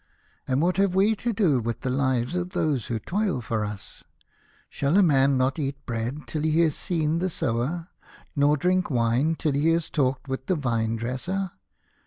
And what have we to do with the lives of those who toil for us ? Shall a man not eat bread till he has seen the sower, nor drink wine till he has talked with the vinedresser